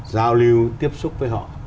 giao lưu tiếp xúc với họ